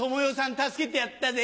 助けてやったぜ。